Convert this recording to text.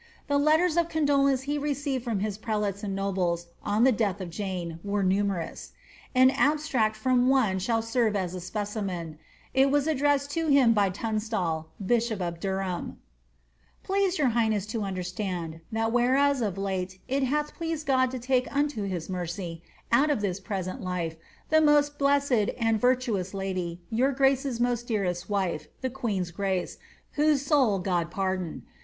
The letters of condolence he received from his prelates and nobles, on the death of Jane, were numerous : an abstract from one shall serve as a specimen ; it was addressed to him by Tun stall, bishop of Durham :—"■ Please your highnesji to understand, that whereas of late it hath pleased God to take unto his mercx, out of this present life, the most blessed and virtuous Udy, your grace's most dearest wife, the queen's grace (whose soul God pardon).